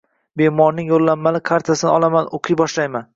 Bemorning yo`llanmali kartasini olaman, o`qiy boshlayman